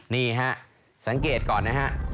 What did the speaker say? นี่ฮะสังเกตก่อนนะฮะ